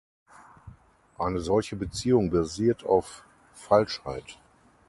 Eine solche Beziehung basiert auf Falschheit.